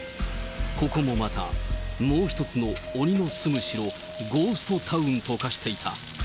ここもまた、もう１つの鬼の住む城、ゴーストタウンと化していた。